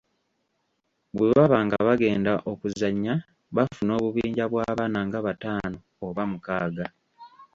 Bwe baba nga bagenda okuzannya, bafuna obubinja bw’abaana nga bataano oba mukaaga.